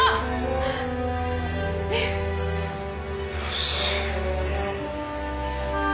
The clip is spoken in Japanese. よし。